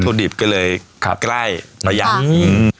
ทรูดิบก็เลยใกล้หาหินปูน